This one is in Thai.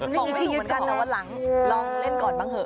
มันมีที่คิดกันแต่วันหลังลองเล่นก่อนบ้างเถอะ